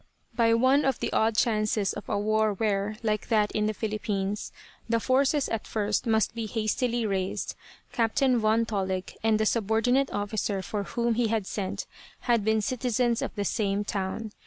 By one of the odd chances of a war where, like that in the Philippines, the forces at first must be hastily raised, Captain Von Tollig and the subordinate officer for whom he had sent, had been citizens of the same town.